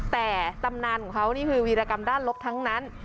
แต่ตำนานของเขานี่คือวีรกรรมด้านลบทั้งนั้น